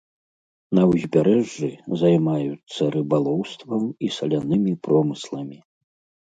На ўзбярэжжы займаюцца рыбалоўствам і салянымі промысламі.